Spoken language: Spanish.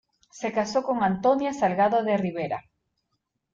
Se casó con Antonia Salgado de Ribera.